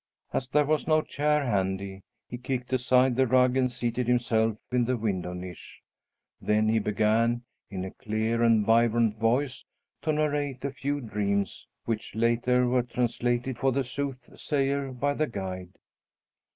As there was no chair handy, he kicked aside the rug and seated himself in the window niche. Then he began, in a clear and vibrant voice, to narrate a few dreams, which later were translated for the soothsayer by the guide.